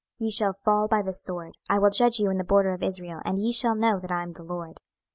26:011:010 Ye shall fall by the sword; I will judge you in the border of Israel; and ye shall know that I am the LORD.